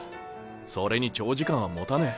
それに長時間は持たねえ。